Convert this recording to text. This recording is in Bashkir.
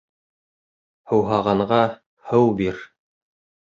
Һыуһағанға һыу бир.